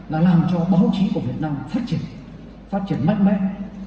là làm cho báo chí của việt nam phát triển phát triển mát mát